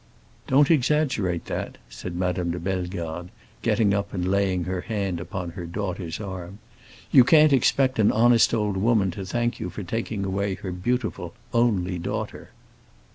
"Don't exaggerate that," said Madame de Bellegarde, getting up and laying her hand upon her daughter's arm. "You can't expect an honest old woman to thank you for taking away her beautiful, only daughter."